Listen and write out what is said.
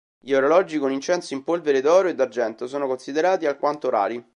Gli orologi con incenso in polvere d'oro e d'argento sono considerati alquanto rari.